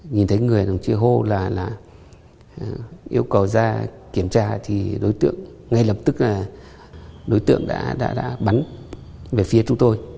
nhìn thấy người đồng chí hô là yêu cầu ra kiểm tra thì đối tượng ngay lập tức là đối tượng đã bắn về phía chúng tôi